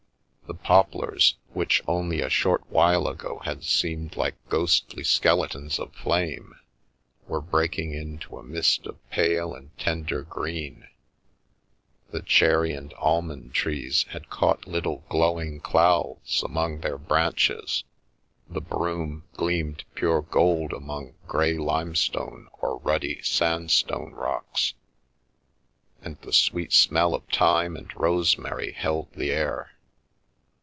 The poplars, which only a short while ago had seemed like ghostly skeletons of flames, were breaking into a mist of pale and tender green, the cherry and almond trees had caught little glowing clouds among their The Milky Way branches, the broom gleamed pure gold among grey lime stone or ruddy sandstone rocks, and the sweet smell of thyme and rosemary held the air.